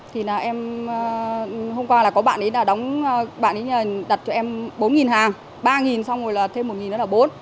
thì là em hôm qua là có bạn ấy đã đóng bạn ấy đã đặt cho em bốn hàng ba xong rồi là thêm một đó là bốn